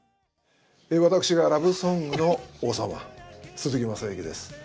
私がラブソングの王様鈴木雅之です。